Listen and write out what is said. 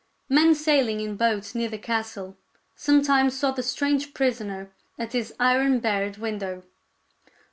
Men sailing in boats near the castle sometimes saw the strange prisoner at his iron barred window.